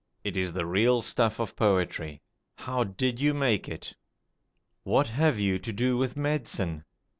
It is the real stuff of poetry. How did you make it? What have you to do with medicine?